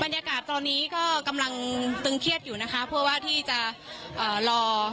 บรรยากาศตอนนี้ก็กำลังตึงเครียดอยู่นะคะเพื่อว่าที่จะรอ